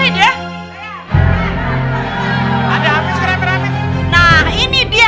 kenapa lagi simpan kenapa lagi simpan